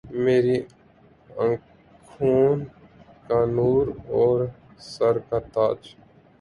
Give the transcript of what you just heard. میری آنکهون کا نور أور سر کا تاج